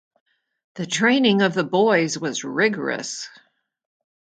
The training of the boys was rigorous.